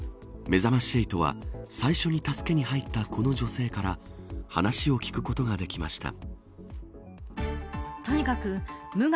めざまし８は最初に助けに入ったこの女性から話を聞くことができました。